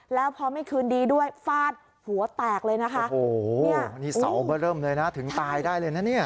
แล้วพอไม่คืนดีด้วยฟาดหัวแตกเลยนะคะโอ้โหนี่เสาเบอร์เริ่มเลยนะถึงตายได้เลยนะเนี่ย